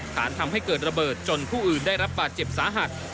ฐานทำให้เกิดระเบิดจนผู้อื่นได้รับบาดเจ็บสาหัส